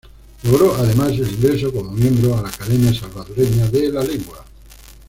Logró, además, el ingreso como miembro a la Academia Salvadoreña de la Lengua.